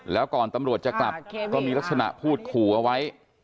แล้วก่อนตำรวจจะกลับก็มีลักษณะพูดขู่เอาไว้